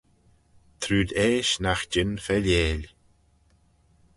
Trooid eash nagh jean failleil.